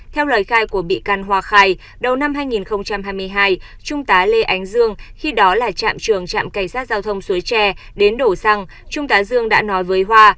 theo lời khai của bị can hoa khai đầu năm hai nghìn hai mươi hai trung tá lê ánh dương khi đó là trạm trường trạm cảnh sát giao thông suối tre đến đổ xăng trung tá dương đã nói với hoa